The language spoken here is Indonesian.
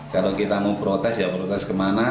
kalau kita mau protes ya protes kemana